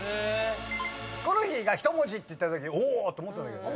ヒコロヒーが「１文字」って言ったときお！と思ったんだけどね。